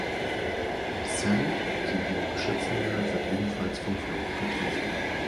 San, die ihn beschützen will, wird ebenfalls vom Fluch getroffen.